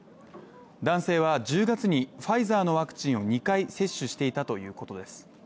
男性は１０月に、ファイザーのワクチンを２回接種していたということです。